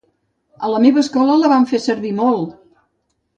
A la meva escola la fem servir molt!